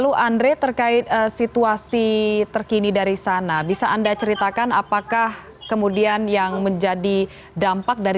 untuk para pengusaha